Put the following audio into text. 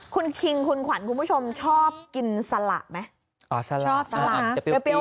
คุณคิงคุณขวัญคุณผู้ชมชอบกินสละไหมอ๋อสละชอบสละเปรี้ยว